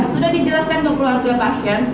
sudah dijelaskan ke keluarga pasien